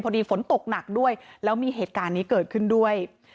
ฝนตกหนักด้วยแล้วมีเหตุการณ์นี้เกิดขึ้นด้วย